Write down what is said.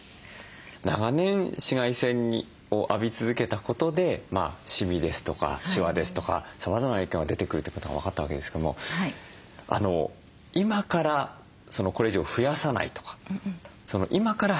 長年紫外線を浴び続けたことでシミですとかシワですとかさまざまな影響が出てくるってことが分かったわけですけれども今からこれ以上増やさないとか今から始めるケアで間に合うものでしょうか？